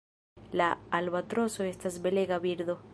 La Albatroso estas belega birdo.